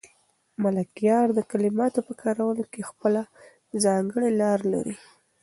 ملکیار د کلماتو په کارولو کې خپله ځانګړې لار لري.